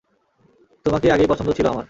তোমাকে আগেই পছন্দ ছিল আমার।